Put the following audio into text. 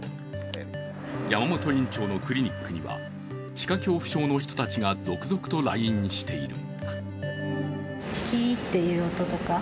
山本院長のクリニックには歯科恐怖症の人が続々と来院している。